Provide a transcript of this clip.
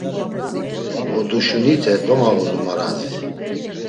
Oduşunite domağodu marazi.